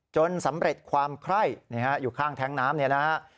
สำเร็จความไคร้อยู่ข้างแท้งน้ำเนี่ยนะฮะ